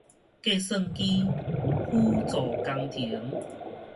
計算機輔助工程